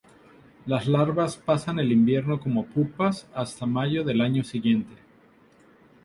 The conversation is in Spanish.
Las larvas pasan el invierno como pupas hasta mayo del año siguiente.